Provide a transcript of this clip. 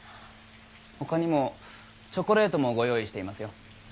他にもチョコレートもご用意していますよ。